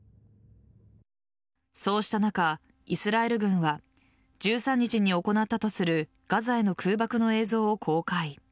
そうした中、イスラエル軍は１３日に行ったとするガザへの空爆の映像を公開。